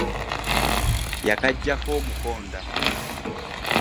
Yakaggyako omukonda.